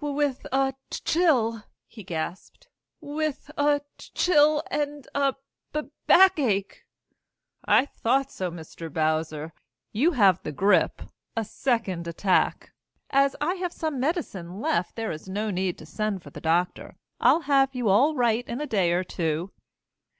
"W with a c chill!" he gasped "with a c chill and a b backache!" "I thought so. Mr. Bowser, you have the grip a second attack. As I have some medicine left, there's no need to send for the doctor. I'll have you all right in a day or two."